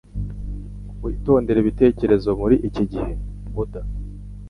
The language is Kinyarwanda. witondere ibitekerezo muri iki gihe.” - Budha